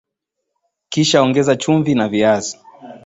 Kisha ongeza chumvi na viazi